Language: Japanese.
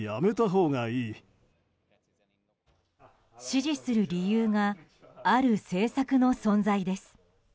支持する理由がある政策の存在です。